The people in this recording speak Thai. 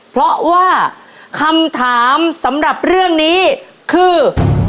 เพราะว่าคำถามสำหรับเรื่องนี้คือ